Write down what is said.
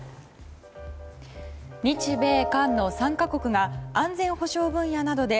日米韓の３か国が安全保障分野などで